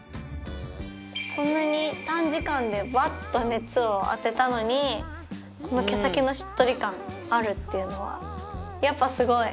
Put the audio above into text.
こんなに短時間でブワッと熱を当てたのにこの毛先のしっとり感あるっていうのはやっぱすごい！